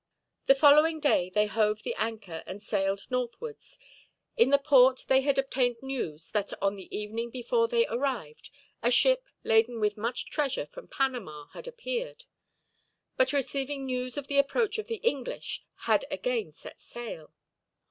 The following day they hove the anchor and sailed northwards. In the port they had obtained news that, on the evening before they arrived, a ship laden with much treasure from Panama had appeared, but receiving news of the approach of the English, had again set sail.